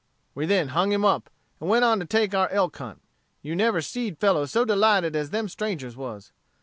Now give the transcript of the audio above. We then hung him up, and went on to take our elk hunt. You never seed fellows so delighted as them strangers was.